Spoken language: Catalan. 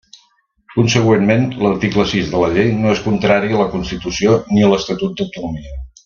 Consegüentment, l'article sis de la Llei no és contrari a la Constitució ni a l'Estatut d'autonomia.